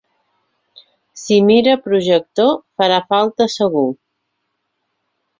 Si mira projector farà falta segur.